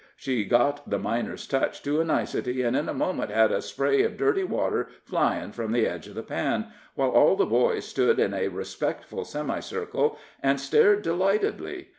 She got the miner's touch to a nicety, and in a moment had a spray of dirty water flying from the edge of the pan, while all the boys stood in a respectful semicircle, and stared delightedly.